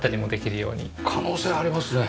可能性ありますね。